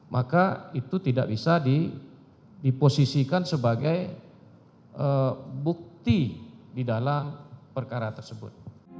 maka itu tidak bisa diposisikan sebagai bukti di dalam perkara tersebut